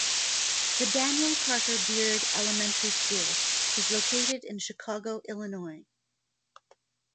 The Daniel Carter Beard Elementary School is located in Chicago, Illinois.